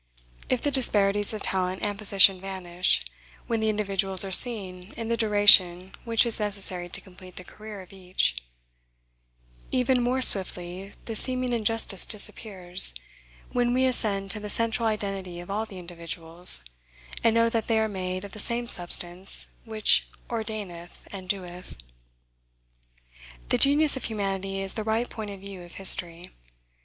If the disparities of talent and position vanish, when the individuals are seen in the duration which is necessary to complete the career of each; even more swiftly the seeming injustice disappears, when we ascend to the central identity of all the individuals, and know that they are made of the same substance which ordaineth and doeth. The genius of humanity is the right point of view of history.